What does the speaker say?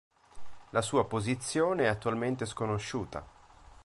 La sua posizione è attualmente sconosciuta.